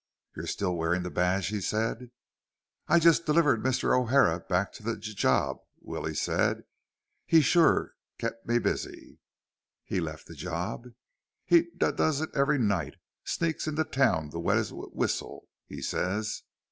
"You're still wearing the badge," he said. "I just delivered Mr. O'Hara back to the j job," Willie said. "He's s sure kept me busy." "He left the job?" "He d does it every night. Sneaks into town to wet his wh whistle, he says.